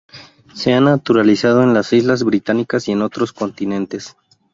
Se ha naturalizado en las Islas Británicas y en otros continentes.